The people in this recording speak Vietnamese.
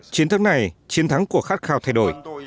chiến thắng này chiến thắng của khát khao thay đổi